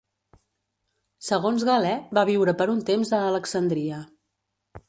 Segons Galè, va viure per un temps a Alexandria.